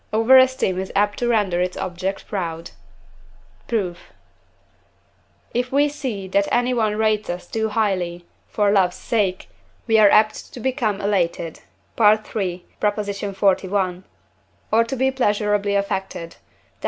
Over esteem is apt to render its object proud. Proof. If we see that any one rates us too highly, for love's sake, we are apt to become elated (III. xli.), or to be pleasurably affected (Def.